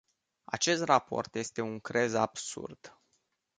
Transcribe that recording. Acest raport este un crez absurd.